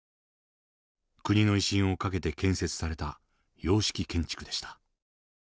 国の威信を懸けて建設された洋式建築でした。